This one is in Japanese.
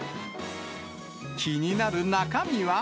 気になる中身は。